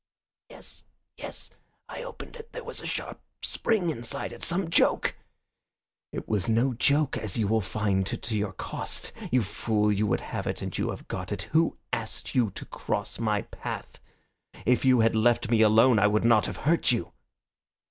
"Yes, yes, I opened it. There was a sharp spring inside it. Some joke " "It was no joke, as you will find to your cost. You fool, you would have it and you have got it. Who asked you to cross my path? If you had left me alone I would not have hurt you."